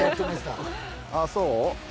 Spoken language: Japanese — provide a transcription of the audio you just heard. ああ、そう？